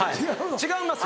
違います。